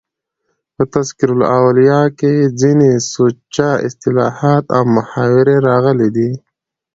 په "تذکرة الاولیاء" کښي ځيني سوچه اصطلاحات او محاورې راغلي دي.